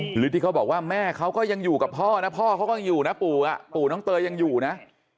หรือที่เขาบอกว่าแม่เขาก็ยังอยู่กับพ่อนะพ่อเขาก็ยังอยู่นะปู่ปู่น้องเตยยังอยู่นะ